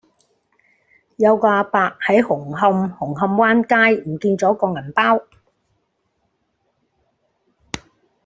有個亞伯喺紅磡紅磡灣街唔見左個銀包